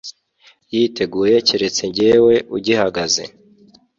yiteguye keretse jyewe ugihagaze